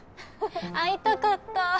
会いたかった。